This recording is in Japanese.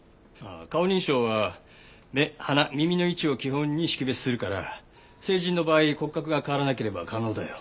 ああ顔認証は目鼻耳の位置を基本に識別するから成人の場合骨格が変わらなければ可能だよ。